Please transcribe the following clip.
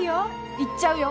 行っちゃうよ。